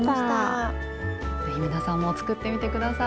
是非皆さんも作ってみて下さい。